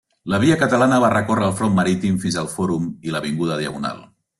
La Via Catalana va recórrer el Front Marítim fins al Fòrum i l'avinguda Diagonal.